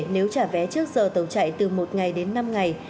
nếu trả vé trước giờ tàu chạy từ một ngày đến năm ngày